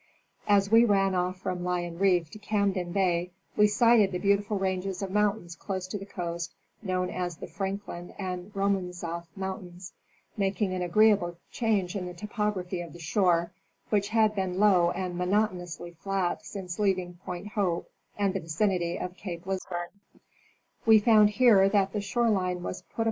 As we ran from off Lion reef to Camden bay we sighted the beautiful ranges of mountains close to the coast known as the Franklin and Romanzoff mountains, making an agree able change in the topography of the shore, which had been low and monotonously flat since leaving Point Hope and the vicinity of Cape Lisburne. We found here that the shore line was put.